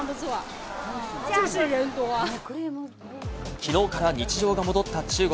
きのうから日常が戻った中国。